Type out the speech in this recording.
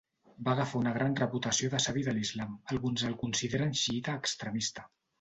Va agafar una gran reputació de savi de l'islam; alguns el consideren xiïta extremista.